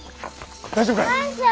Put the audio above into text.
大丈夫かい？